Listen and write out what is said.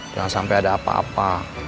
jangan sampai ada apa apa